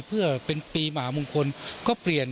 เพื่อเป็นปีมหามงคลก็เปลี่ยน